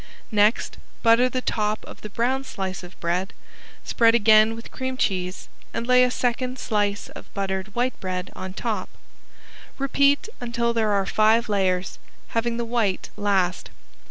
Next butter the top of the brown slice of bread, spread again with cream cheese and lay a second slice of buttered white bread on top. Repeat until there are five layers, having the white last.